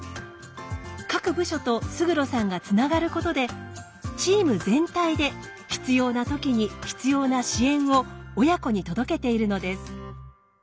各部署と勝呂さんがつながることでチーム全体で必要な時に必要な支援を親子に届けているのです。